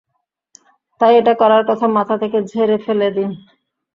তাই এটা করার কথা মাথা থেকে ঝেড়ে ফেলে দিন।